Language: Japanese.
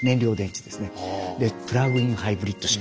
プラグインハイブリッド車。